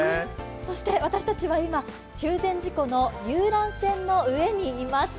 そして私たちは今、中禅寺湖の遊覧船の上にいます。